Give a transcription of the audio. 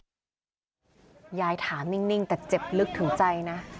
ยายถามนิ่งแต่เจ็บลึกถึงใจนะ